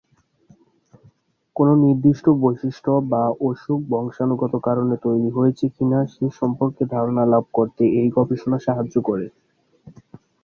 কোন নির্দিষ্ট বৈশিষ্ট্য বা অসুখ বংশাণুগত কারণে তৈরি হয়েছে কিনা, সেই সম্পর্কে ধারণা লাভ করতে এই গবেষণা সাহায্য করে।